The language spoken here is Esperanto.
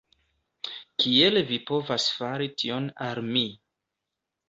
Kiel vi povas fari tion al mi?